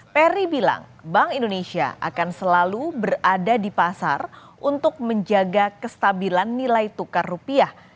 peri bilang bank indonesia akan selalu berada di pasar untuk menjaga kestabilan nilai tukar rupiah